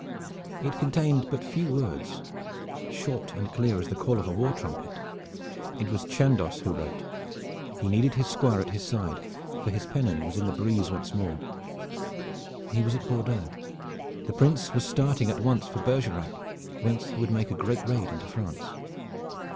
It contained but few words, short and clear as the call of a war trumpet. It was Chandos who wrote. He needed his Squire at his side, for his pennon was in the breeze once more. He was at Bordeaux. The Prince was starting at once for Bergerac, whence he would make a great raid into France.